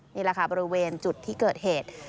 นี่แหละค่ะบริเวณจุดที่เกิดเหตุ